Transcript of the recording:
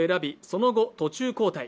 その後、途中交代。